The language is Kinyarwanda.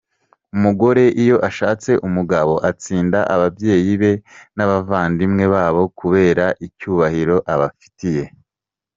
Umugore iyo ashatse umugabo atsinda ababyeyi be n’abavandimwe babo kubera icyubahiro abafitiye.